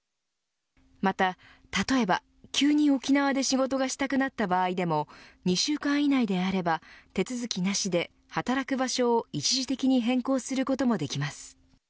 また例えば、急に沖縄で仕事がしたくなった場合でも２週間以内であれば手続きなしで働く場所を一時的に変更することもできます。